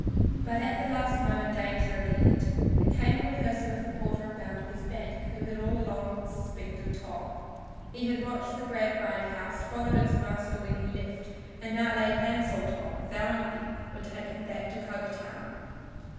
But at the last moment danger appeared. It came in the person of the porter of Bounderby's bank, who had all along suspected Tom. He had watched the Gradgrind house, followed its master when he left and now laid hands on Tom, vowing he would take him back to Coketown.